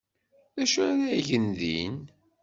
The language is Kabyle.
D acu ara gen din?